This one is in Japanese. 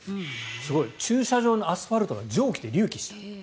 駐車場のアスファルトが蒸気で隆起した。